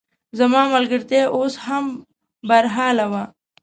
زموږ ملګرتیا اوس هم برحاله وه.